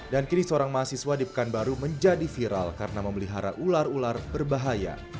dan kini seorang mahasiswa di pekanbaru menjadi viral karena memelihara ular ular berbahaya